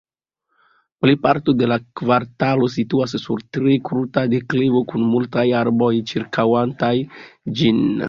Plejparto de la kvartalo situas sur tre kruta deklivo kun multaj arboj ĉirkaŭantaj ĝin.